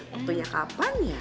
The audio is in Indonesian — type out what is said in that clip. waktunya kapan ya